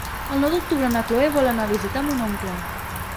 El nou d'octubre na Chloé vol anar a visitar mon oncle.